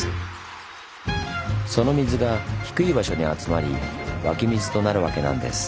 その水が低い場所に集まり湧き水となるわけなんです。